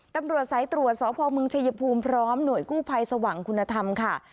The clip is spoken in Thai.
ตำรวจสายตรวจสพมชายภูมิพร้อมหน่วยกู้ภัยสว่างคุณธรรมค่ะ